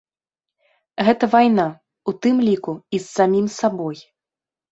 Гэта вайна, у тым ліку і з самім сабой.